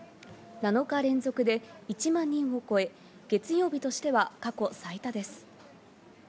７日連続で１万人を超え、月曜日としては過去最多です。